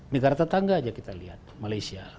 negara tetangga aja kita lihat malaysia